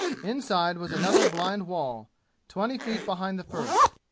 Inside was another blind wall, twenty feet behind the first.